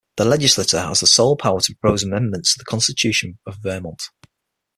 The Legislature has the sole power to propose amendments to the Constitution of Vermont.